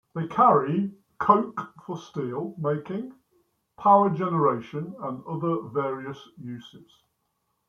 They carry coke for steel making, power generation and other various uses.